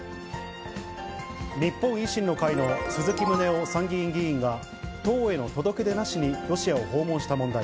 日本維新の会の鈴木宗男参議院議員が、党への届け出なしにロシアを訪問した問題。